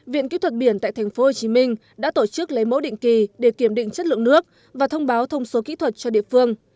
viện kỹ thuật biển tại tp hcm đã tổ chức lấy mẫu định kỳ để kiểm định chất lượng nước và thông báo thông số kỹ thuật cho địa phương